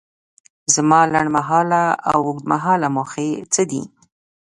زما لنډ مهاله او اوږد مهاله موخې څه دي؟